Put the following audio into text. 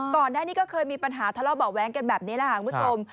ก่อนหน้านี้ก็เคยมีปัญหาทะเลาะเบาะแว้งกันแบบนี้แหละค่ะคุณผู้ชม